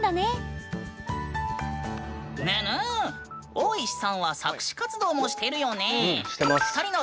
オーイシさんは作詞活動もしてるよねえ？